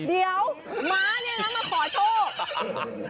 เดี๋ยวม้าเนี่ยนะมาขอโชค